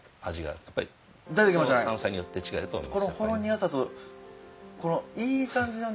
山菜によって違うと思います。